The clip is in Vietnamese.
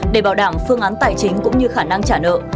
để bảo đảm phương án tài chính cũng như khả năng trả nợ